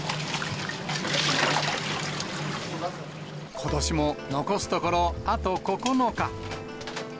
ことしも残すところあと９日。